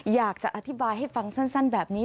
อยากจะอธิบายให้ฟังสั้นแบบนี้